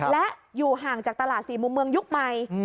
และอยู่ห่างจากตลาด๔มุมเมืองยุคใหม่